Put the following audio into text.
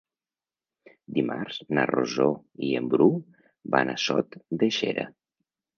Dimarts na Rosó i en Bru van a Sot de Xera.